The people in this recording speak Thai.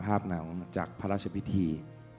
หนาวมาจากพระราชพิธี